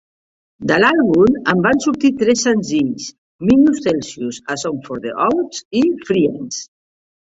De l'àlbum en van sortir tres senzills, "Minus Celsius", "A Song For The Outcast" i "Friends.